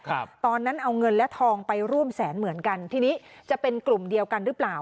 ตอนนั้นเอาเงินและทองไปร่วมแสนเหมือนกันทีนี้จะเป็นกลุ่มเดียวกันหรือเปล่า